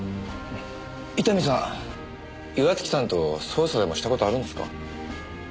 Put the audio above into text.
伊丹さん岩月さんと捜査でもした事あるんですか？